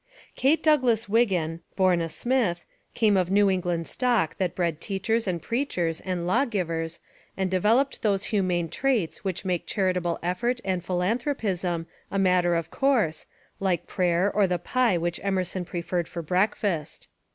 Kate Douglas Wiggin, born a Smith, came of New England stock that bred teachers and preachers and law givers and developed those humane traits which make charitable effort and philanthropism a matter of course, like prayer or the pie which Emerson pre ferred for breakfast.